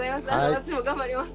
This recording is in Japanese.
私も頑張ります。